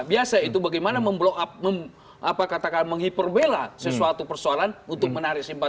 biasa itu bagaimana menghyperbola sesuatu persoalan untuk menarik simpati